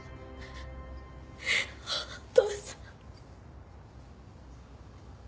お父さん。